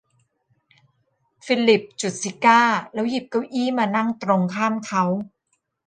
ฟิลิปจุดซิการ์แล้วหยิบเก้าอี้มานั่งตรงข้ามเขา